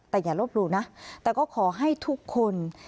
แต่อย่าลบหลู่นะแต่ก็ขอให้ทุกคน